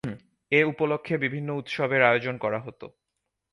এ উপলক্ষে বিভিন্ন উৎসবের আয়োজন করা হত।